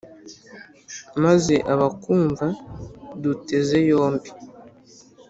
maze abakumva duteze yombi